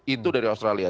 itu dari australia